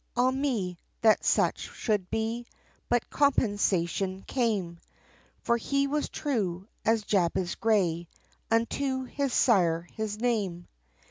Ah! me, that such should be, But compensation came, For he was true, as Jabez Gray, Unto his Sire, his name.